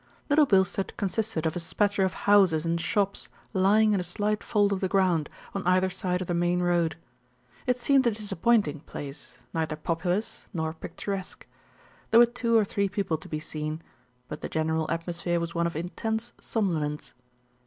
Little Bilstead consisted of a spatter of houses and shops lying in a slight fold of the ground, on either side of the main road. It seemed a disappointing place, neither populous, nor picturesque. There were two or three people to be seen; but the general atmosphere was one of intense somnolence.